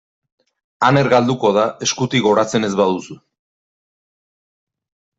Aner galduko da eskutik oratzen ez baduzu.